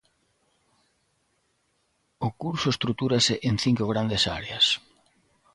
O curso estruturase en cinco grandes áreas.